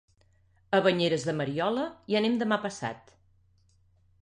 A Banyeres de Mariola hi anem demà passat.